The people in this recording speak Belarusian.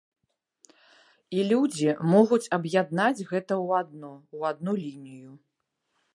І людзі могуць аб'яднаць гэта ў адно, у адну лінію.